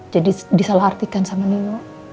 jadi disalah artikan sama nino